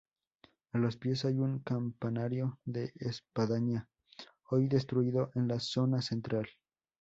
A los pies hay un campanario de espadaña, hoy destruido en la zona central.